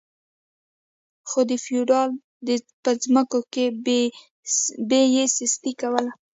خو د فیوډال په ځمکو کې به یې سستي کوله.